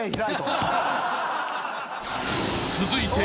［続いて］